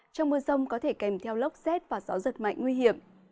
trong mưa rông có thể kèm theo lốc xét và gió giật mạnh nguy hiểm